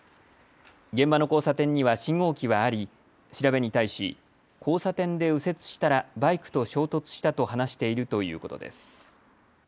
現場の交差点には信号機はあり調べに対し交差点で右折したらバイクと衝突したと話しているということです。